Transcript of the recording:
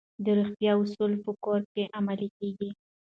د روغتیا اصول په کور کې عملي کیږي.